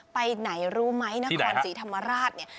ไปไหนรู้ไหมนครศรีธรรมราชเนี่ย